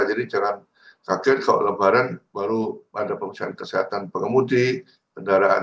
jadi jangan kaget kalau lebaran baru ada pengurusan kesehatan pengemudi kendaraan